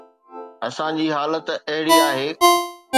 اسان جي حالت اهڙي آهي.